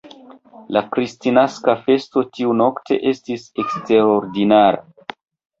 La Kristnaska festo tiunokte estis eksterordinara.